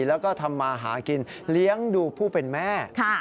แล้วก็ทำมาหากินเลี้ยงดูผู้เป็นแม่